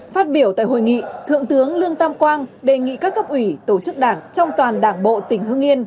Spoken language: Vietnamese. phát biểu tại hội nghị thượng tướng lương tam quang đề nghị các cấp ủy tổ chức đảng trong toàn đảng bộ tỉnh hưng yên